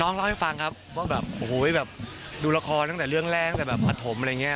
น้องเล่าให้ฟังครับพี่บอกว่าดูละครตั้งแต่เรื่องแรกมาทรมอะไรอย่างเงี้ย